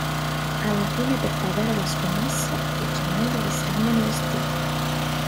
Alla fine per pagare la scommessa i gemelli si scambiano i vestiti.